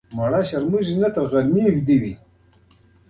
ټول په چټکۍ سره په خوراک اخته ول، مکروني يې خولې ته سر وهل.